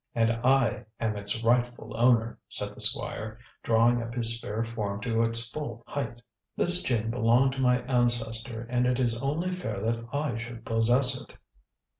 "And I am its rightful owner," said the Squire, drawing up his spare form to its full height. "This gem belonged to my ancestor, and it is only fair that I should possess it."